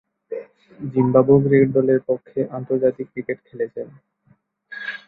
Zimbabwe cricket দলের পক্ষে আন্তর্জাতিক ক্রিকেট খেলছেন।